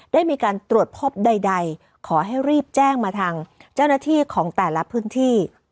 ได้มีการตรวจพบใดขอให้รีบแจ้งมาทางเจ้าหน้าที่ของแต่ละพื้นที่